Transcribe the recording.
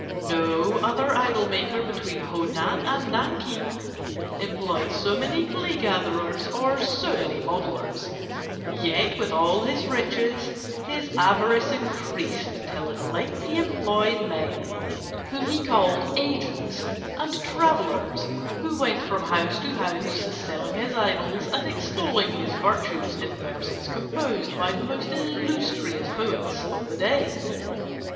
No other idol maker between Honan and Nanking employed so many clay gatherers or so many modellers; yet, with all his riches, his avarice increased till at length he employed men whom he called 'agents' and 'travellers,' who went from house to house selling his idols and extolling his virtues in verses composed by the most illustrious poets of the day.